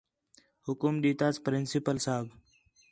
حُکم ݙِتاس پرنسپل صاحب